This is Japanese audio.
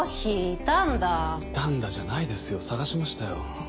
「いたんだ」じゃないですよ捜しましたよ。